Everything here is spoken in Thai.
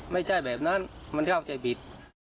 ไม่ใช่แบบนั้นมันเข้าใจผิด